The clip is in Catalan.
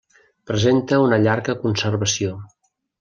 Presenta una llarga conservació.